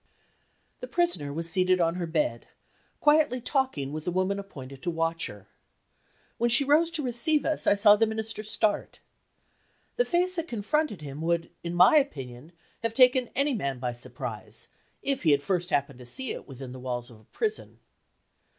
The Prisoner was seated on her bed, quietly talking with the woman appointed to watch her. When she rose to receive us, I saw the Minister start. The face that confronted him would, in my opinion, have taken any man by surprise, if he had first happened to see it within the walls of a prison.